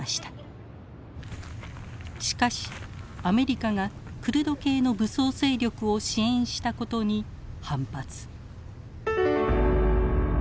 トルコはしかしアメリカがクルド系の武装勢力を支援したことに反発。